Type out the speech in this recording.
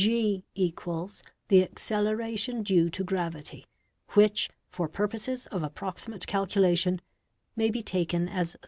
g= the acceleration due to gravity, which, for purposes of approxi mate calculation may be taken as 32.